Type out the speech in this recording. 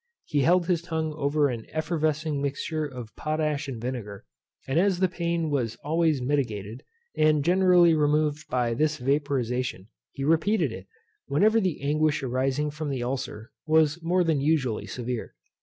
He held his tongue over an effervescing mixture of potash and vinegar; and as the pain was always mitigated, and generally removed by this vaporisation, he repeated it, whenever the anguish arising from the ulcer was more than usually severe.